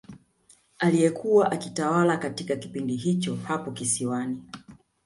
Aliyekuwa akitawala katika kipindi hicho hapo kisiwani